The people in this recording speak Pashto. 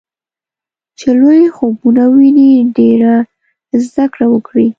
چې لوی خوبونه وويني ډېره زده کړه وکړي.